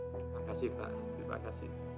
terima kasih pak terima kasih